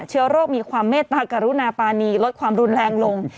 เชื้อโรคมีความเมตตากรุณาปานีลดความรุนแรงลง